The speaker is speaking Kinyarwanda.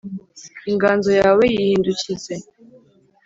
inganzo yawe yihindukize